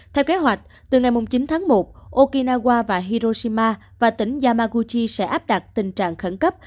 theo kế hoạch từ ngày chín tháng một okinawa và hiroshima và tỉnh yamaguchi sẽ áp đặt tình trạng khẩn cấp